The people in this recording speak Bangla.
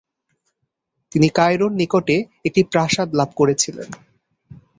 তিনি কায়রোর নিকটে একটি প্রাসাদ লাভ করেছিলেন।